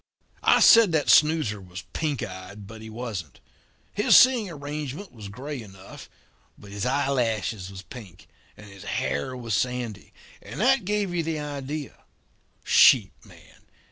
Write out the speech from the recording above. "I said that snoozer was pink eyed, but he wasn't. His seeing arrangement was grey enough, but his eye lashes was pink and his hair was sandy, and that gave you the idea. Sheep man?